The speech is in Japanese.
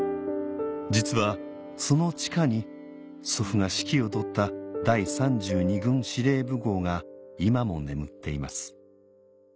実はその地下に祖父が指揮を執った第３２軍司令部壕が今も眠っています